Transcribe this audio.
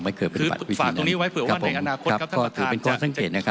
ถ้าจำนวนที่ถ้าจำเนี่ยนั้นนะครับก็คือเป็นข้อสังเกตนะครับ